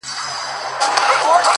د گلو كر نه دى چي څوك يې پــټ كړي،